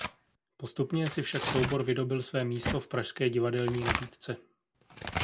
Postupně si však soubor vydobyl své místo v pražské divadelní nabídce.